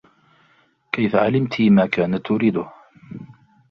كيفَ علمتيِ ما كانت تريدهُ؟